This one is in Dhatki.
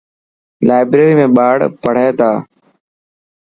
لائبريري ۾ ٻاڙ پڙهي تا.